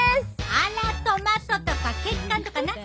あらトマトとか血管とか懐かしいな。